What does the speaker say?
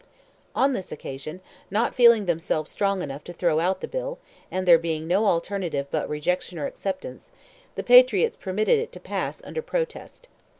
On this occasion, not feeling themselves strong enough to throw out the bill, and there being no alternative but rejection or acceptance, the Patriots permitted it to pass under protest.